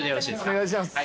お願いします。